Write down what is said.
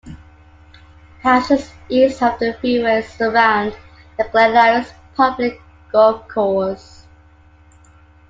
Houses east of the freeway surround the Glen Iris Public Golf Course.